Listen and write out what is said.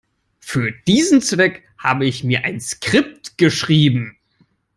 Für diesen Zweck habe ich mir ein Skript geschrieben.